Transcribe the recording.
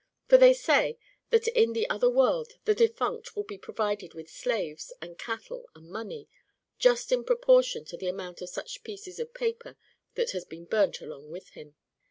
For they say that in the other world the defunct will be provided with slaves and cattle and money, just in proportion to the amount of such pieces of paper that has been burnt alon^" with him.